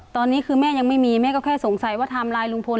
ตอนนี้คือแม่ยังไม่มีแม่ก็แค่สงสัยว่าไทม์ไลน์ลุงพล